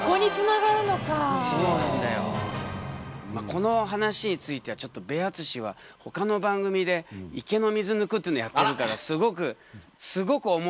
この話についてはちょっとベアツシはほかの番組で池の水抜くっていうのやってるからすごくすごく思いがあるんだな。